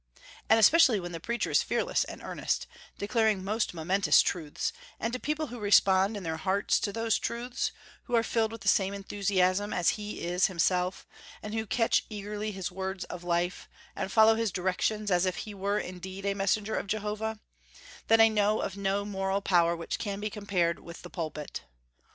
And especially when the preacher is fearless and earnest, declaring most momentous truths, and to people who respond in their hearts to those truths, who are filled with the same enthusiasm as he is himself, and who catch eagerly his words of life, and follow his directions as if he were indeed a messenger of Jehovah, then I know of no moral power which can be compared with the pulpit.